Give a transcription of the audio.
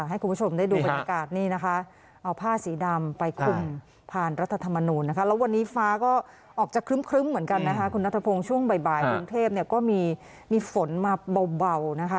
ให้คุณผู้ชมได้ดูบรรยากาศนี้นะคะเอาผ้าสีดำไปคุมผ่านรัฐธรรมนุนนะคะ